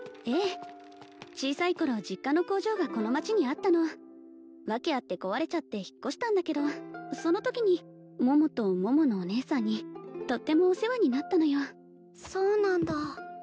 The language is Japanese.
ええ小さい頃実家の工場がこの町にあったの訳あって壊れちゃって引っ越したんだけどそのときに桃と桃のお姉さんにとってもお世話になったのよそうなんだ